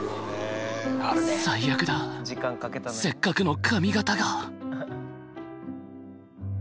最悪だせっかくの髪形が。